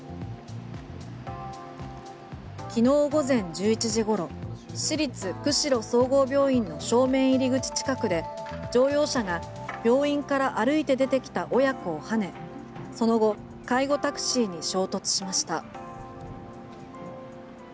昨日午前１１時ごろ市立釧路総合病院の正面入口近くで乗用車が病院から歩いて出てきた親子をはねその後、介護タクシーに衝突しました。